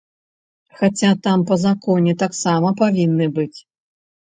Хаця там па законе таксама павінны быць.